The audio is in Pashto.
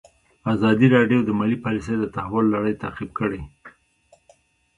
ازادي راډیو د مالي پالیسي د تحول لړۍ تعقیب کړې.